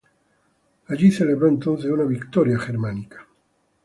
Allí celebró entonces una "Victoria Germanica".